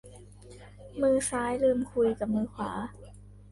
มือซ้ายลืมคุยกับมือขวา